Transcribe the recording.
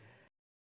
terima kasih pak